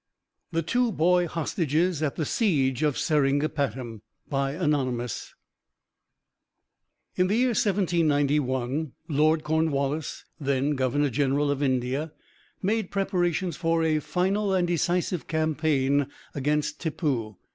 THE TWO BOY HOSTAGES AT THE SIEGE OF SERINGAPATAM Anonymous In the year 1791, Lord Cornwallis, then Governor General of India, made preparations for a final and decisive campaign against Tippoo.